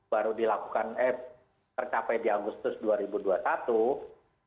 baru dilakukan eh tercapai di agustus dua ribu dua puluh satu